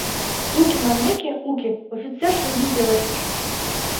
— Уке манмеке, уке, — офицер шыдын пелештыш.